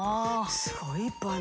すごいいっぱいあるな。